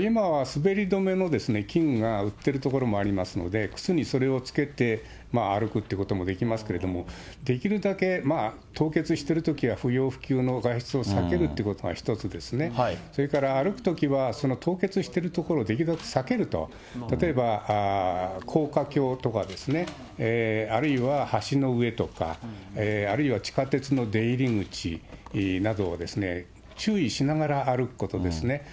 今は滑り止めの器具が売っているところもありますので、靴にそれをつけて歩くということもできますけれども、できるだけ、凍結しているときは不要不急の外出を避けるっていうことが一つですね、それから歩くときは、凍結してる所をできるだけ避けると、例えば高架橋とか、あるいは橋の上とか、あるいは地下鉄の出入り口など、注意しながら歩くことですね。